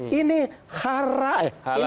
dengan pakai takbir